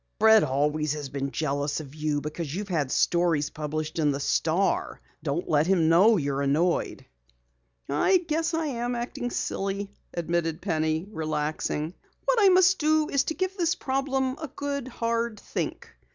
"Fred always has been jealous of you because you've had stories published in the Star. Don't let him know that you're annoyed." "I guess I am acting silly," admitted Penny, relaxing. "What I must do is to give this problem a good, hard think.